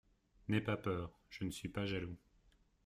N'aie pas peur, je ne suis pas jaloux.